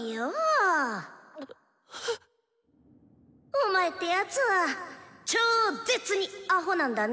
お前ってやつは超ッ絶にアホなんだな。